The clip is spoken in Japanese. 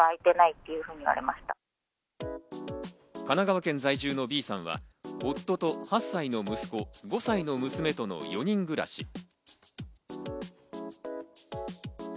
神奈川県在住のＢさんは夫と８歳の息子、５歳の娘との４人暮らし。